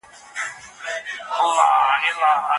بهرنيو پانګوالو له کلونو زموږ له کانونو ګټه اخيستې وه.